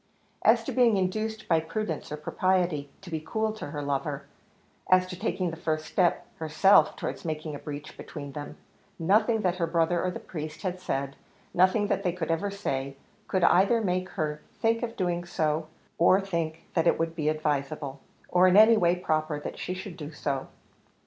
As to being induced by prudence or propriety to be cool to her lover as to taking the first step herself towards making a breach between them nothing that her brother or the priest had said, nothing that they could ever say, could either make her think of doing so, or think that it could be advisable, or in any way proper, that she should do so.